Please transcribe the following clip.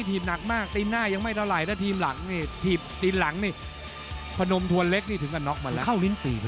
ทีมหนักมากตีมหน้ายังไม่เท่าไหร่ถ้าทีมหลังพนมทวนเล็กนี่ถึงกับน็อคมาแล้ว